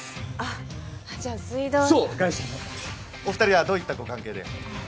お二人はどういったご関係で？